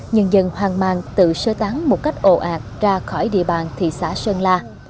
nhân dân hoang mang tự sơ tán một cách ồ ạt ra khỏi địa bàn thị xã sơn la